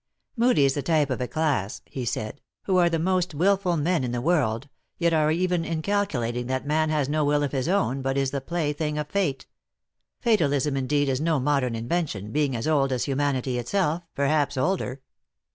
" Moodie is the type of a class," he said, " who are the most wilful men in the world, yet are even inculcating that man has no will of his own, but is the play thing of fate. Fatal ism, indeed, is no modern invention, being as old as humanity itself, perhaps, older.